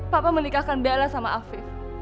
papa menikahkan bella sama afif